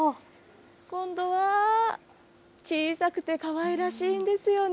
今度は、小さくてかわいらしいんですよね。